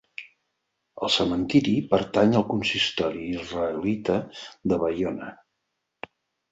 El cementiri pertany al Consistori israelita de Baiona.